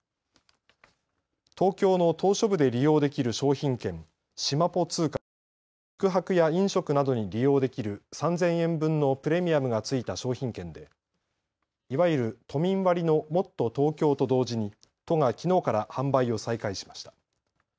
東京の島しょ部で利用できる商品券、しまぽ通貨は宿泊や飲食などに利用できる３０００円分のプレミアムが付いた商品券でいわゆる都民割のもっとＴｏｋｙｏと同時に都がきのうから販売を再開しました。